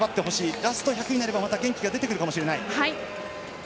ラスト１００になったら元気が出るかもしれない。